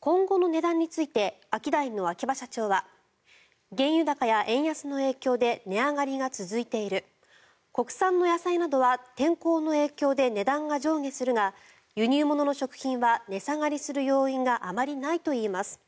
今後の値段についてアキダイの秋葉社長は原油高や円安の影響で値上がりが続いている国産の野菜などは天候の影響で値段が上下するが輸入物の食品は値下がりする要因があまりないといいます。